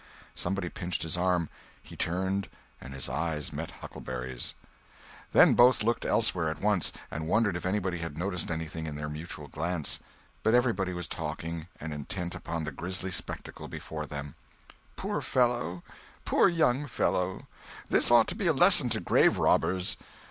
Somebody pinched his arm. He turned, and his eyes met Huckleberry's. Then both looked elsewhere at once, and wondered if anybody had noticed anything in their mutual glance. But everybody was talking, and intent upon the grisly spectacle before them. "Poor fellow!" "Poor young fellow!" "This ought to be a lesson to grave robbers!"